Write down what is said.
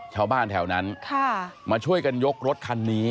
ชาวบ้านแถวนั้นมาช่วยกันยกรถคันนี้